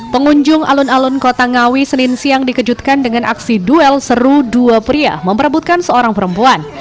pengunjung alun alun kota ngawi senin siang dikejutkan dengan aksi duel seru dua pria memperebutkan seorang perempuan